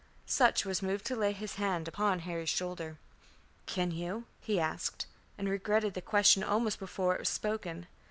Sutch was moved to lay his hand upon Harry's shoulder. "Can you?" he asked, and regretted the question almost before it was spoken.